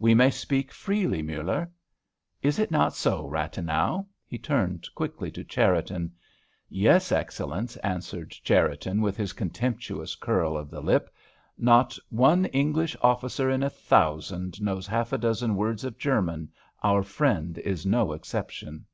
We may speak freely, Muller. Is it not so, Rathenau?" He turned quickly to Cherriton. "Yes, Excellence," answered Cherriton, with his contemptuous curl of the lip. "Not one English officer in a thousand knows half a dozen words of German; our friend is no exception."